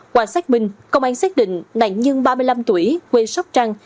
qua xác minh công an xác định nạn nhân ba mươi năm tuổi quê sóc trăng